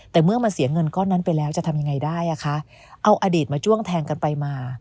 แต่เมื่อมาเสียเงินก้อนนั้นไปแล้วจะทำยังไงได้อ่ะคะเอาอดีตมาจ้วงแทงกันไปมา